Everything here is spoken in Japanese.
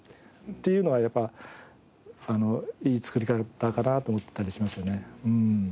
っていうのはやっぱいい作り方かなと思ったりしますよね。